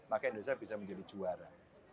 maka indonesia bisa menjadi juara